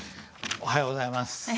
おはようございます。